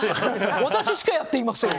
私しかやってません。